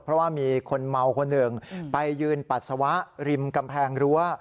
เพราะว่ามีคนเมาคนหนึ่งไปยืนปัสสาวะริมกำแพงรั้ว